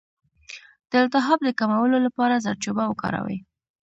د التهاب د کمولو لپاره زردچوبه وکاروئ